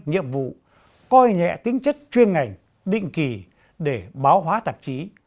nhiệm vụ coi nhẹ tính chất chuyên ngành định kỳ để báo hóa tạp chí